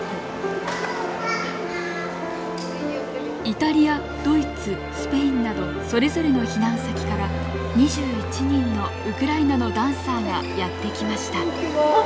イタリアドイツスペインなどそれぞれの避難先から２１人のウクライナのダンサーがやって来ました。